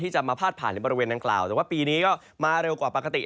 จะมาพาดผ่านในบริเวณดังกล่าวแต่ว่าปีนี้ก็มาเร็วกว่าปกติ